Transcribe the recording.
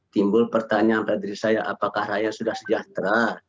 timbul pertanyaan pada diri saya apakah rakyat sudah sejahtera